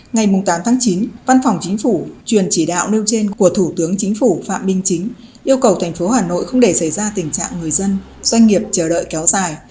ngày tám chín văn phòng chính phủ truyền chỉ đạo nêu trên của thủ tướng chính phủ phạm minh chính yêu cầu thành phố hà nội không để xảy ra tình trạng người dân doanh nghiệp chờ đợi kéo dài